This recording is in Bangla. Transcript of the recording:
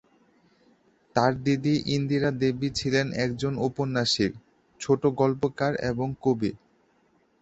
তার দিদি ইন্দিরা দেবী ছিলেন একজন ঔপন্যাসিক, ছোটগল্পকার এবং কবি।